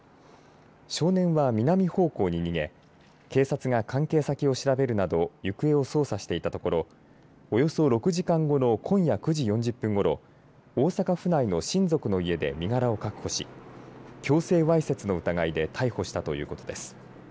少年は南方向に逃げ警察が関係先を調べるなど行方を捜査していたところおよそ６時間後の今夜９時４０分ごろ大阪府内の親族の家で身柄を確保し強制わいせつの疑いで逮捕したということです。